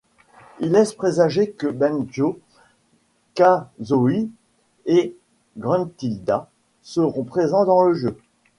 Il laisse présager que Banjo, Kazooie et Gruntilda seront présents dans le jeu.